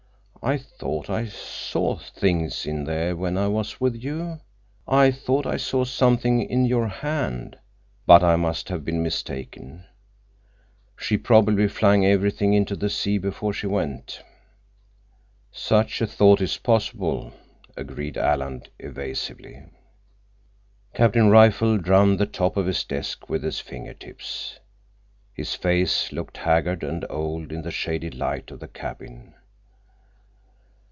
I thought I saw things in there when I was with you. I thought I saw something in your hand. But I must have been mistaken. She probably flung everything into the sea—before she went." "Such a thought is possible," agreed Alan evasively. Captain Rifle drummed the top of his desk with his finger tips. His face looked haggard and old in the shaded light of the cabin.